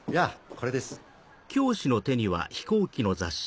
これです。